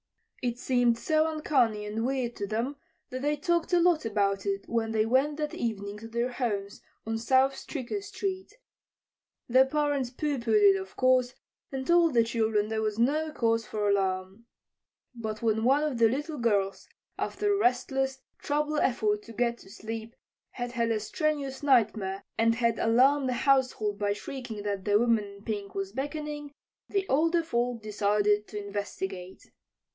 It seemed so uncanny and weird to them that they talked a lot about it when they went that evening to their homes on South Stricker street. The parents pooh poohed it, of course, and told the children there was no cause for alarm. But when one of the little girls, after a restless, troubled effort to get to sleep, had had a strenuous nightmare, and had alarmed the household by shrieking that the woman in pink was beckoning, the older folk decided to investigate.